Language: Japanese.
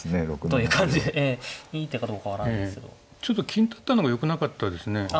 ちょっと金取ったのがよくなかったですね。